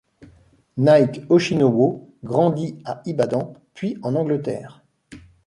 Nike Oshinowo grandit à Ibadan puis en Angleterre.